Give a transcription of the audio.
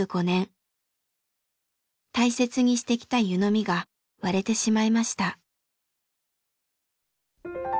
大切にしてきた湯飲みが割れてしまいました。